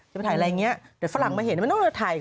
จะไปถ่ายอะไรอย่างนี้แต่ฝรั่งไปเห็นไม่ต้องมาถ่าย